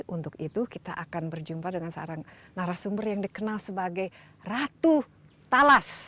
untuk itu kita akan berjumpa dengan seorang narasumber yang dikenal sebagai ratu talas